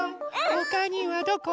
ほかにはどこ？